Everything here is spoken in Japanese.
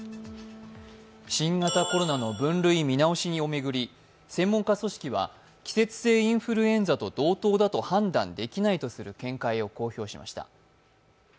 新型コロナの分類見直しを巡り、専門家組織は季節性インフルエンザと同等だと判断できないとする見解を公表しました。